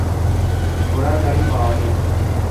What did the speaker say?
ঘোড়ার গাড়ি পাওয়া যায়।